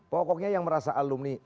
pokoknya yang merasa alumni